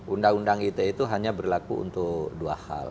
undang undang ite itu hanya berlaku untuk dua hal